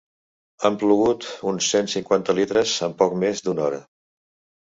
Han plogut uns cent cinquanta litres en poc més d'una hora.